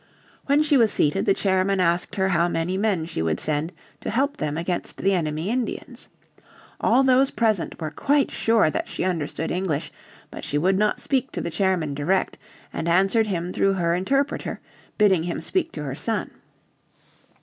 When she was seated the chairman asked her how many men she would send to help them against the enemy Indians. All those present were quite sure that she understood English, but she would not speak to the chairman direct, and answered him through her interpreter, bidding him speak to her son.